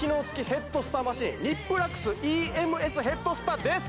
ヘッドスパマシンＮＩＰＬＵＸＥＭＳヘッドスパです